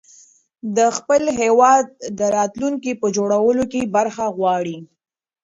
ده د خپل هېواد د راتلونکي په جوړولو کې برخه غواړي.